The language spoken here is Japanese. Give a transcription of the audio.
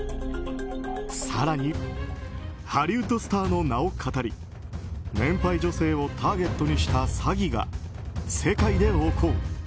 更に、ハリウッドスターの名をかたり年配女性をターゲットにした詐欺が世界で横行。